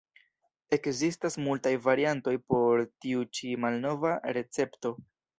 Ekzistas multaj variantoj por tiu ĉi malnova recepto.